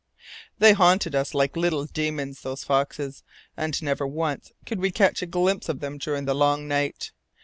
They haunted us like little demons, those foxes, and never once could we catch a glimpse of them during the long night.